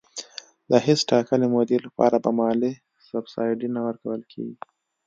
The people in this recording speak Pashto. د هیڅ ټاکلي مودې لپاره به مالي سبسایډي نه ورکول کېږي.